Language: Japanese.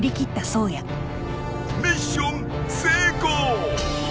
ミッション成功！